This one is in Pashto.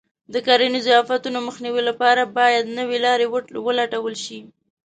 د کرنیزو آفتونو مخنیوي لپاره باید نوې لارې ولټول شي.